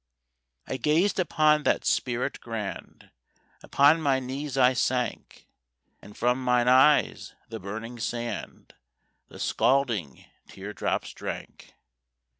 I gazed upon that spirit grand, Upon my knees I sank, And from mine eyes the burning sand The scalding tear drops drank.